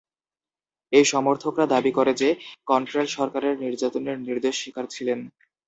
এই সমর্থকরা দাবি করে যে, কট্রেল সরকারের নির্যাতনের নির্দোষ শিকার ছিলেন।